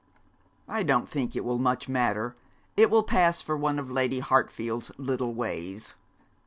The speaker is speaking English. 'I don't think it will much matter. It will pass for one of Lady Hartfield's little ways.